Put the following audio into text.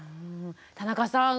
田中さん